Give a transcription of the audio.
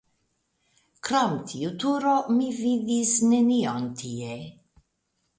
Krom tiu turo mi vidis nenion tie.